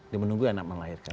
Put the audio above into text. dia menunggu anak melahirkan